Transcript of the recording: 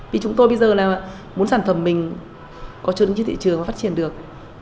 vì chúng tôi bây giờ muốn sản phẩm mình có chứng kiến thị trường và phát triển được